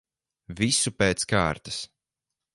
Visu pēc kārtas.